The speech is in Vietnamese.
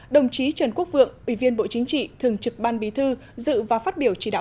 đồng chí trần quốc vượng ủy viên bộ chính trị thường trực ban bí thư dự và phát biểu chỉ đạo